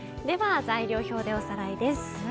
材料表でおさらいです。